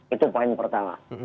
itu poin pertama